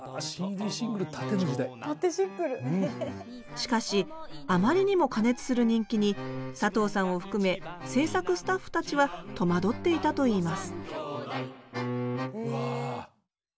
しかしあまりにも過熱する人気に佐藤さんを含め制作スタッフたちは戸惑っていたといいますうわ。